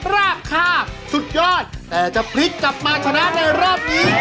ราบคาบสุดยอดแต่จะพลิกกลับมาชนะในรอบนี้